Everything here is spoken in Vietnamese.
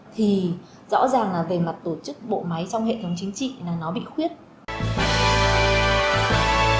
thì rõ ràng là về mặt tổ chức bộ máy nhà nước mà là do một thực thể của bộ máy nhà nước mà là do một thực thể của bên đảng làm